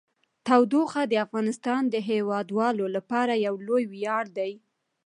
تودوخه د افغانستان د هیوادوالو لپاره یو لوی ویاړ دی.